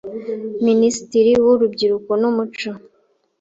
Minisitiri w’Urubyiruko n’umuco,